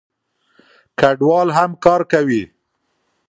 کډوال هم کار کوي.